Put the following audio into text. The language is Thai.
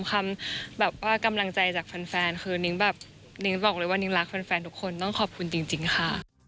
คำแบบว่ากำลังใจจากแฟนคือนิ้งแบบนิ้งบอกเลยว่านิ้งรักแฟนทุกคนต้องขอบคุณจริงค่ะ